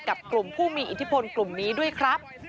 กับกลุ่มผู้มีอิทธิพลกลุ่มนี้ด้วยครับ